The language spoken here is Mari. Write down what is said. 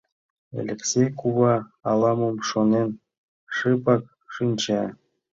Элексей кува, ала-мом шонен, шыпак шинча.